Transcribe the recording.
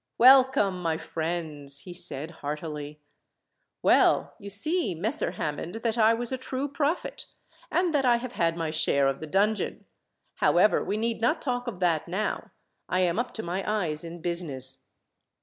"Welcome, my friends," he said heartily. "Well, you see, Messer Hammond, that I was a true prophet, and that I have had my share of the dungeon. However, we need not talk of that now. I am up to my eyes in business."